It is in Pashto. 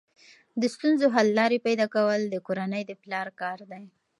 د ستونزو حل لارې پیدا کول د کورنۍ د پلار کار دی.